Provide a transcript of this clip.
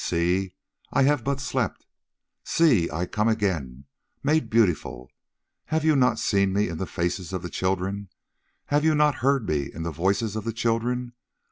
See, I have but slept! See, I come again, made beautiful! Have ye not seen me in the faces of the children? Have ye not heard me in the voices of the children?